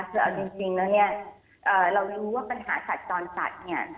คือเอาจริงแล้วเนี่ยเรารู้ว่าปัญหาสัตว์จรสัตว์เนี่ย